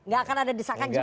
gak akan ada desakan juga